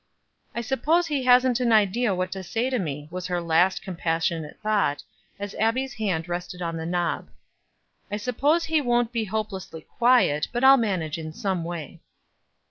"I suppose he hasn't an idea what to say to me," was her last compassionate thought, as Abbie's hand rested on the knob. "I hope he won't be hopelessly quiet, but I'll manage in some way."